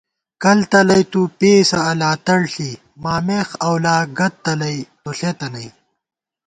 کل تلَئ تُو پېئیسہ الاتڑ ݪی مامېخ اَؤلا گد تلَئ تو ݪېتہ نئ